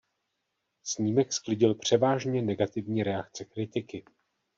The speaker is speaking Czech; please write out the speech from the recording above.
Snímek sklidil převážně negativní reakce kritiky.